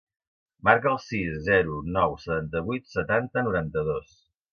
Marca el sis, zero, nou, setanta-vuit, setanta, noranta-dos.